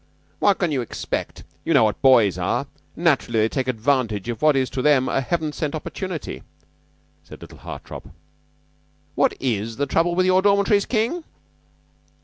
"What can you expect? You know what boys are. Naturally they take advantage of what to them is a heaven sent opportunity," said little Hartopp. "What is the trouble in your dormitories, King?"